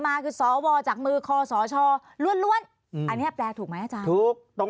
มาคือสวจากมือคอสชล้วนอันนี้แปลถูกไหมอาจารย์ถูกต้อง